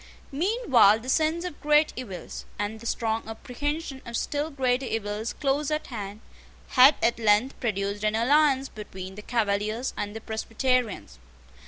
Meanwhile the sense of great evils, and the strong apprehension of still greater evils close at hand, had at length produced an alliance between the Cavaliers and the Presbyterians.